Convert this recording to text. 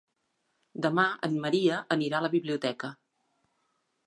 Demà en Maria anirà a la biblioteca.